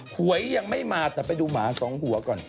หวยยังไม่มาแต่ไปดูหมาสองหัวก่อน